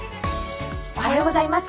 おはようございます。